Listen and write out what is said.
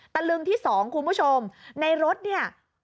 ตะลึงที่๒คุณผู้ชมในรถเนี่ย